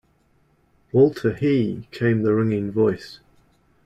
“Walter he!” came the ringing voice.